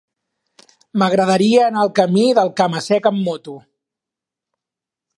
M'agradaria anar al camí del Cama-sec amb moto.